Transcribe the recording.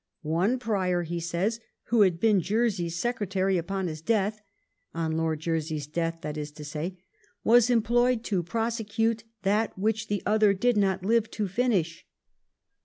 'One Prior,' he says, 'who had been Jersey's secretary, upon his death '— on Lord Jersey's death, that is to say — 'was employed to prosecute that which the other did not live to finish.